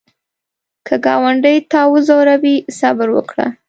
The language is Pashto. که ګاونډي تا وځوروي، صبر وکړه